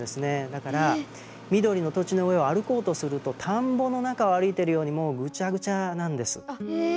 だから緑の土地の上を歩こうとすると田んぼの中を歩いてるようにもうグチャグチャなんです。え！